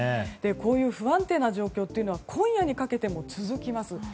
こういう不安定な状況というのは今夜にかけても続きます。